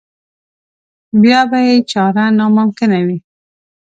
بیا به یې چاره ناممکنه وي.